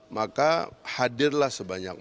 maka hadirlah sebanyak mungkin